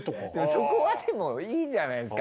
そこはでもいいじゃないですか。